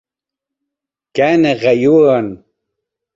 كان غيورا.